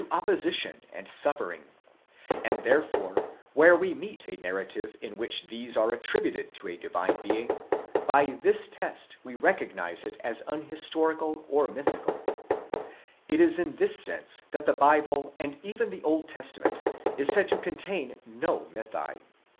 77 opposition and suffering ; and therefore where we meet with a narrative in which these are attributed to a divine being, by this test we recognize it as. unhistorical or mythical. It is in this sense that the Bible, and even the Old Testament, is said to contain no mythi.